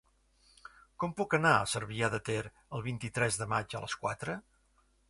Com puc anar a Cervià de Ter el vint-i-tres de maig a les quatre?